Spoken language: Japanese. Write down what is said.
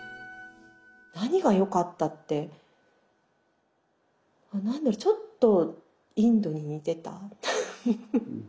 何がよかったって何だろちょっとインドに似てたフッフフ。